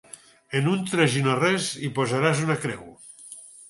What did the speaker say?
En un tres i no res hi posaràs una creu.